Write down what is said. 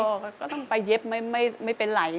ก็ต้องไปเย็บไม่เป็นไร